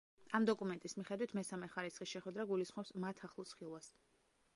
ამ დოკუმენტის მიხედვით, მესამე ხარისხის შეხვედრა გულისხმობს მათ ახლოს ხილვას.